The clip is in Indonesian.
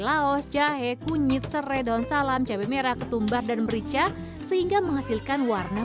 laos jahe kunyit serai daun salam cabai merah ketumbar dan merica sehingga menghasilkan warna